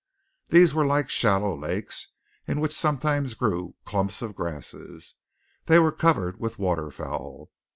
These were like shallow lakes, in which sometimes grew clumps of grasses. They were covered with waterfowl.